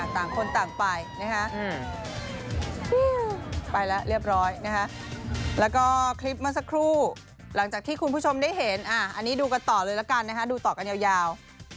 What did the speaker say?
ต่างคนต่างไปนะฮะไปแล้วเรียบร้อยนะฮะแล้วก็คลิปเมื่อสักครู่หลังจากที่คุณผู้ชมได้เห็นอันนี้ดูกันต่อเลยละกันนะคะดูต่อกันยาว